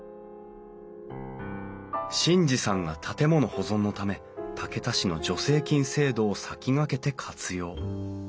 眞二さんが建物保存のため竹田市の助成金制度を先駆けて活用。